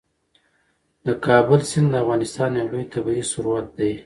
د کابل سیند د افغانستان یو لوی طبعي ثروت دی.